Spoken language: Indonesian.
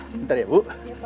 bentar ya bu